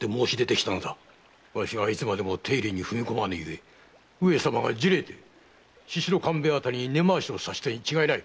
わしがいつまでも手入れに踏み込まぬゆえ上様が焦れて宍戸官兵衛に根回しをさせたに違いない。